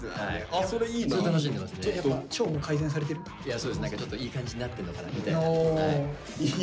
そうです何かちょっといい感じになってるのかなみたいな。